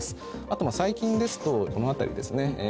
あと最近ですとこの辺りですね。